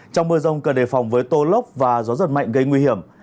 trong mưa rông cần đề phòng với tô lốc và gió giật mạnh gây nguy hiểm